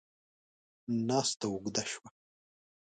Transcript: ناسته اوږده شوه.